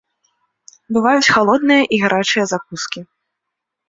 Бываюць халодныя і гарачыя закускі.